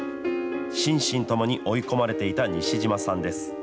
心身ともに追い込まれていた西島さんです。